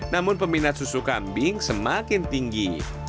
namun peminat susu kambing semakin tinggi